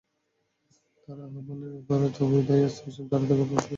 তাঁর আহ্বানে কবি ডায়াসে এসে দাঁড়াতেই কাব্যপ্রেমীরা তুমুল করতালিতে তাঁকে অভিনন্দিত করেন।